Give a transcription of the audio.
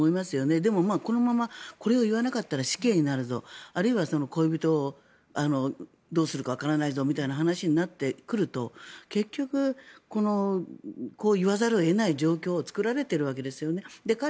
でも、このまま、これを言わなかったら死刑になるぞあるいは恋人をどうするかわからないぞみたいな話しになってくると結局、こう言わざるを得ない状況を作られているわけですよね。